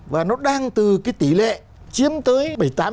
và nó đang từ cái tỷ lệ chiếm tới